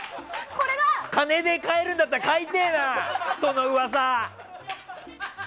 金で買えるんだったら買いてえなその噂！